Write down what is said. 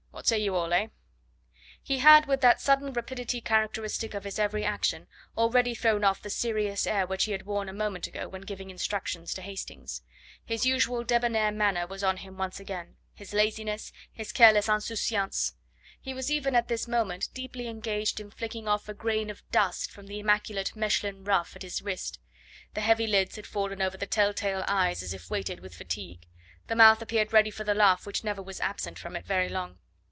What say you all eh?" He had with that sudden rapidity characteristic of his every action, already thrown off the serious air which he had worn a moment ago when giving instructions to Hastings. His usual debonnair manner was on him once again, his laziness, his careless insouciance. He was even at this moment deeply engaged in flicking off a grain of dust from the immaculate Mechlin ruff at his wrist. The heavy lids had fallen over the tell tale eyes as if weighted with fatigue, the mouth appeared ready for the laugh which never was absent from it very long.